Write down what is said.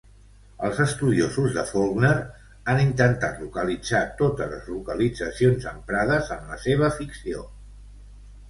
Els estudiosos de Faulkner han intentat localitzar totes les localitzacions emprades en la seva ficció.